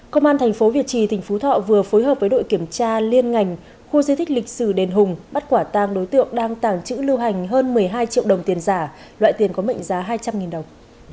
công an thành phố việt trì tỉnh phú thọ vừa phối hợp với đội kiểm tra liên ngành khu di tích lịch sử đền hùng bắt quả tàng đối tượng đang tàng trữ lưu hành hơn một mươi hai triệu đồng tiền giả loại tiền có mệnh giá hai trăm linh đồng